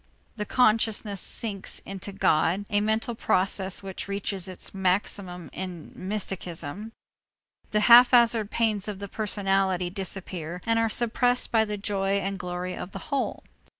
The consciousness sinks into God, a mental process which reaches its maximum in mysticism. The haphazard pains of the personality disappear and are suppressed by the joy and glory of the whole.